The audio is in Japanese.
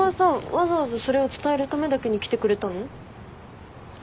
わざわざそれを伝えるためだけに来てくれたの？